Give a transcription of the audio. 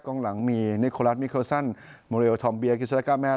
กลางหลังมีนิโคลัสมิโคซัลมโนเอลธอมเบียกิสดากาแมน